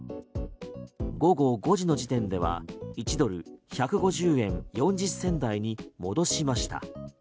午後５時の時点では１ドル＝１５０円４０銭台に戻しました。